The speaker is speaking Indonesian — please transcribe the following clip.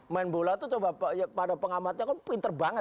main bola itu coba pada pengamatnya kan pinter banget